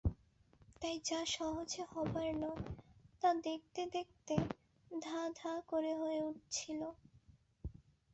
তাই যা সহজে হবার নয় তা দেখতে দেখতে ধাঁ ধাঁ করে হয়ে উঠছিল।